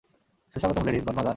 সুস্বাগতম ladies, godmother!